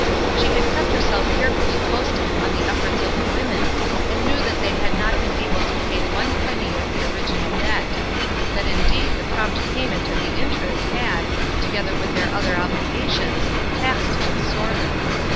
She had kept herself carefully posted on the efforts of the women, and knew that they had not been able to pay one penny of the original debt; that indeed the prompt payment of the interest had, together with their other obli gations, taxed them sorely.